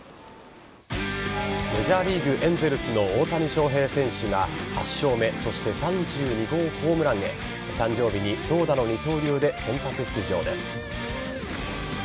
メジャーリーグエンゼルスの大谷翔平選手が８勝目そして３２号ホームランへ誕生日に投打の二刀流で先発出場です。